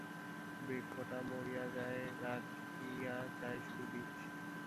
বৃক্ষটি মরিয়া যায়, রাখিয়া যায় শুধু বীজ।